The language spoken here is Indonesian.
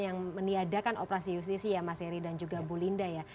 yang meniadakan operasi justisi ya mas heri dan juga bu linda ya